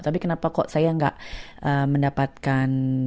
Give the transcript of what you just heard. tapi kenapa saya tidak mendapatkan